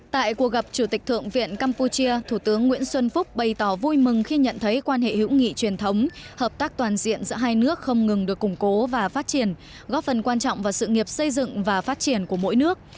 tại cuộc gặp chủ tịch thượng viện campuchia thủ tướng nguyễn xuân phúc bày tỏ vui mừng khi nhận thấy quan hệ hữu nghị truyền thống hợp tác toàn diện giữa hai nước không ngừng được củng cố và phát triển góp phần quan trọng vào sự nghiệp xây dựng và phát triển của mỗi nước